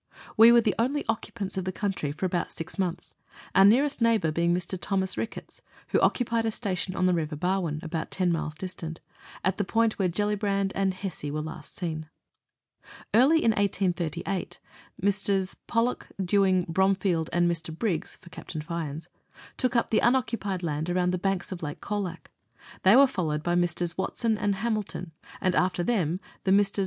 We were the only occupants of the country for about six mouths, our nearest neighbour being Mr. Thomas Ricketts, who occupied a station on the River Barwon about ten miles distant at the point where Gellibraud and Hesse were last seen. Early in 1838, Messrs. Pollock, Dewing, Bromfield, and Mr. Briggs (for Capt. Fyans) took up the unoccupied land around the banks of Lake Colac. They were followed by Messrs. Watson and Hamilton, and after them the Messrs.